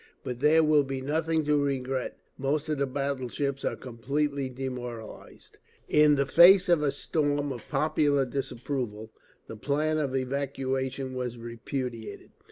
But there will be nothing to regret; most of the battleships are completely demoralised…. In the face of a storm of popular disapproval the plan of evacuation was repudiated.